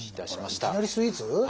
あらいきなりスイーツ？